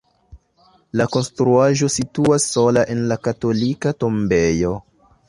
La konstruaĵo situas sola en la katolika tombejo.